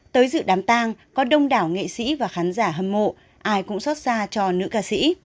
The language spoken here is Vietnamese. tới dự đám tang có đông đảo nghệ sĩ và khán giả hâm mộ ai cũng xót xa cho nữ ca sĩ